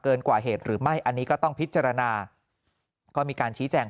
กว่าเหตุหรือไม่อันนี้ก็ต้องพิจารณาก็มีการชี้แจง